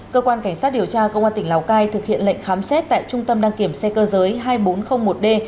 cơ quan cảnh sát điều tra công an tỉnh lào cai thực hiện lệnh khám xét tại trung tâm đăng kiểm xe cơ giới hai nghìn bốn trăm linh một d